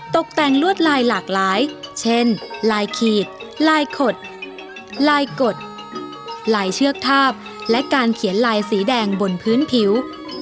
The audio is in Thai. ตกแต่งลวดลายหลากหลายเช่นลายขีดลายขดลายกดลายเชือกทาบและการเขียนลายสีแดงบนพื้นผิว